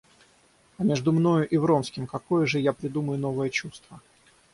А между мною и Вронским какое же я придумаю новое чувство?